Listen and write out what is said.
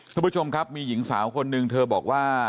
คุณผู้ชมครับมีหญิงสาวคนหนึ่งเธอบอกว่า